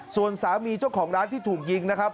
ส่วนสามีเจ้าของร้านที่ถูกยิงนะครับ